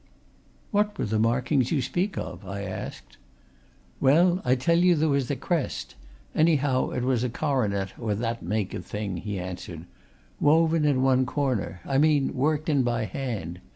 "What were the markings you speak of?" I asked. "Well, I tell you there was a crest; anyhow it was a coronet, or that make of a thing," he answered. "Woven in one corner I mean worked in by hand.